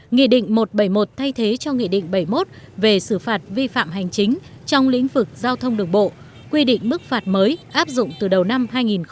nghị định một trăm bảy mươi một thay thế cho nghị định bảy mươi một về xử phạt vi phạm hành chính trong lĩnh vực giao thông đường bộ quy định mức phạt mới áp dụng từ đầu năm hai nghìn một mươi chín